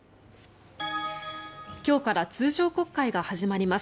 今日から通常国会が始まります。